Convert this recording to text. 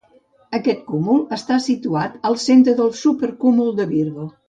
Aquest cúmul està situat al centre del supercúmul de Virgo.